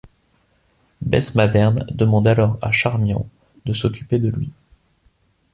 Bess Maddern demande alors à Charmian de s'occuper de lui.